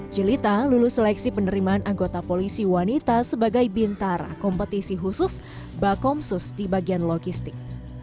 jelita lulus seleksi penerimaan anggota polisi wanita sebagai bintara kompetisi khusus bakomsus di bagian logistik